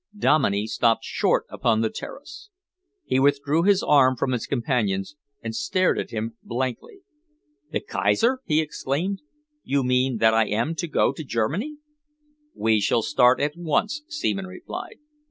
Dominey stopped short upon the terrace. He withdrew his arm from his companion's and stared at him blankly. "The Kaiser?" he exclaimed. "You mean that I am to go to Germany?" "We shall start at once," Seaman replied.